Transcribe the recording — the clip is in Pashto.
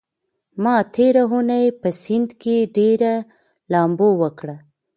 ما تېره اونۍ په سيند کې ډېره لامبو وکړه.